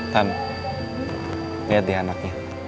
tan liat ya anaknya